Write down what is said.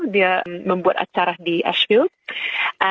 dia membuat acara di ashield